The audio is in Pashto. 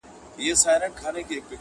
نه پر چا احسان د سوځېدو لري،